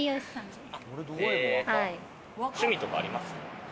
趣味とかあります？